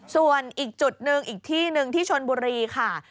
ส่วนอีกจุดหนึ่งอีกที่หนึ่งที่ชนบุรีค่ะ